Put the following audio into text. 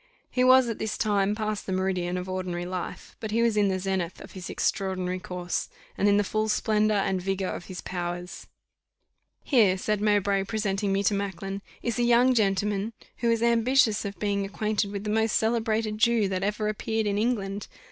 He was at this time past the meridian of ordinary life, but he was in the zenith of his extraordinary course, and in the full splendour and vigour of his powers. "Here," said Mowbray, presenting me to Macklin, "is a young gentleman, who is ambitious of being acquainted with the most celebrated Jew that ever appeared in England.